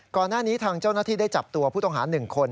ก่อนหน้านี้ทางเจ้าหน้าที่ได้จับตัวผู้ต้องหา๑คน